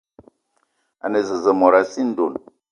A ne zeze mot a sii ndonn